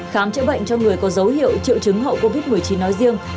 khám chữa bệnh cho người có dấu hiệu triệu chứng hậu covid một mươi chín nói riêng